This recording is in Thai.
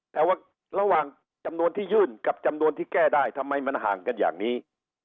แต่ว่าระหว่างจำนวนที่ยื่นกับจำนวนที่แก้ได้ทำไมมันห่างกันอย่างนี้